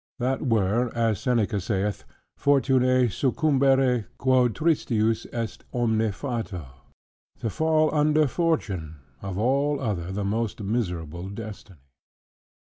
That were, as Seneca saith, "Fortunae succumbere, quod tristius est omni fato:" "To fall under Fortune, of all other the most miserable destiny."